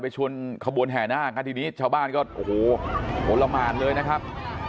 ไปชวนขบวนแห่นากตอนนี้ชาวบ้านก็โอ้โหโกรธรรมาณเลยนะครับ